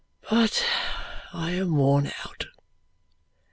But I am worn out.